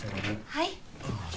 はい。